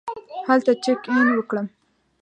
هلته چېک اېن وکړم.